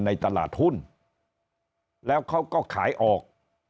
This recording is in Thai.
ในตลาดหุ้นแล้วเขาก็ขายออก